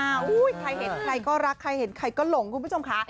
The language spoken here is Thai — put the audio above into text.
ใครเห็นใครก็รักใครเห็นใครก็หลงคุณผู้ชมค่ะ